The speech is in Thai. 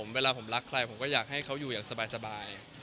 เวลาผมรักใครผมก็อยากให้เขาอยู่อย่างสบาย